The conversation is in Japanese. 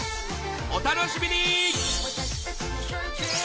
お楽しみに！